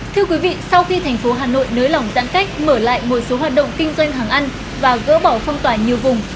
thưa quý vị sau khi thành phố hà nội nới lỏng giãn cách mở lại một số hoạt động kinh doanh hàng ăn và gỡ bỏ phong tỏa nhiều vùng